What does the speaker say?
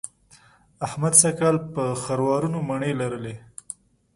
احمد سږ کال په خروارونو مڼې لرلې.